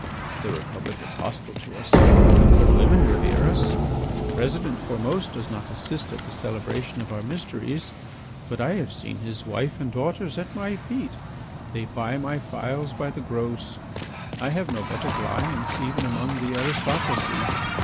The Republic is hostile to us, but women revere us. President Formose does not assist at the celebration of our mysteries, but I have seen his wife and daughters at my feet. They buy my phials by the gross. I have no better clients even among the aristocracy.